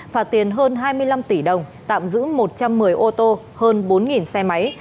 phạt tiền hơn hai mươi năm tỷ đồng tạm giữ một trăm một mươi ô tô hơn bốn xe máy